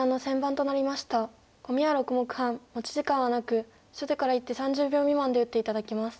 コミは６目半持ち時間はなく初手から１手３０秒未満で打って頂きます。